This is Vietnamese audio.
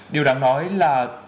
điều đáng nói là